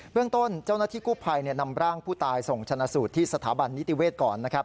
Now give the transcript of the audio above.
เรื่องต้นเจ้าหน้าที่กู้ภัยนำร่างผู้ตายส่งชนะสูตรที่สถาบันนิติเวศก่อนนะครับ